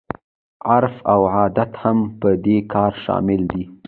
عرف او عادت هم په دې کې شامل دي.